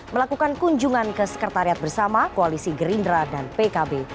melakukan kunjungan ke sekretariat bersama koalisi gerindra dan pkb